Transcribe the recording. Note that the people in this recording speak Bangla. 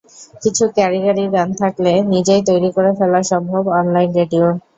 কিছু কারিগরি জ্ঞান থাকলে নিজেই তৈরি করে ফেলা সম্ভব অনলাইন রেডিও।